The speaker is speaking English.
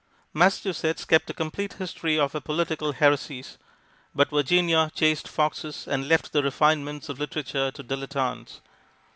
Massachusetts kept a complete history of her political heresies, but Virginia chased foxes and left the refinements of literature to dilettantes.